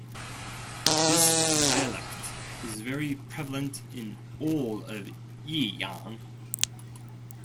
This dialect is very prevalent in all of Yiyang.